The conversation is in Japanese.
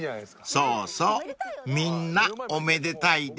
［そうそうみんなおめでたいです］